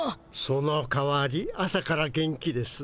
そのかわり朝から元気です。